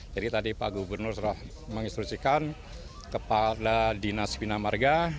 jadi tadi pak gubernur sudah menginstruksikan kepada dinas pinamarga